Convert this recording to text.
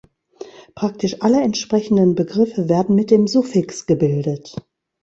Praktisch alle entsprechenden Begriffe werden mit dem Suffix gebildet.